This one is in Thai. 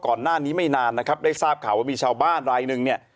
ก่อนหน้านี้ไม่นานนะครับได้ทราบข่าวว่ามีชาวบ้านรายหนึ่งเนี่ย